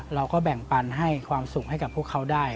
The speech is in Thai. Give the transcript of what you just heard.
เราก็แบ่งปันให้ความสุขให้กับพวกเขาได้